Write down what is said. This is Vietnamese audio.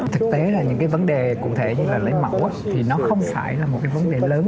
thực tế là những cái vấn đề cụ thể như là lấy mẫu thì nó không phải là một cái vấn đề lớn